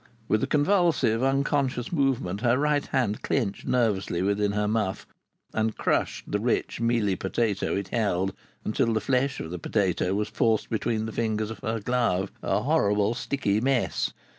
With a convulsive unconscious movement her right hand clenched nervously within her muff and crushed the rich mealy potato it held until the flesh of the potato was forced between the fingers of her glove. A horrible sticky mess!